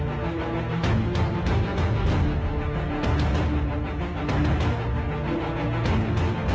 ด้วยนั้นไอเทซอีสานจะแข่งเรามีเกิดซักอย่างเพิ่ม